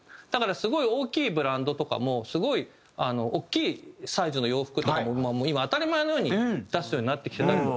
だからすごい大きいブランドとかもすごい大きいサイズの洋服とかも今当たり前のように出すようになってきてたりとか。っていう事さえも